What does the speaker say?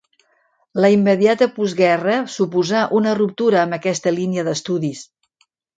La immediata postguerra suposà una ruptura amb aquesta línia d’estudis.